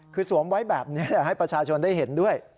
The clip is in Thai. คือสวมไว้แบบนี้ให้ประชาชนได้เห็นด้วย